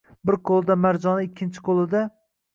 Bir qoʻlida marojna ikkinchi qoʻlida.